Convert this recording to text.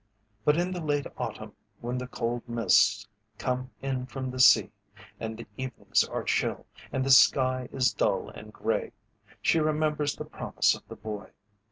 But in the late autumn when the cold mists come in from the sea, and the evenings are chill, and the sky is dull and grey, she remembers the promise of the boy.